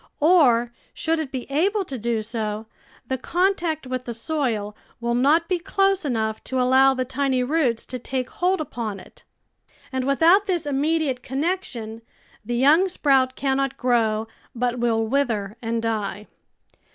Or, should it be able to do so, the contact with the soil will not be close enough to allow the tiny roots to take hold upon it, and ON THE SOWING OF SEED without this immediate connection, the young sprout cannot grow, but will wither and die.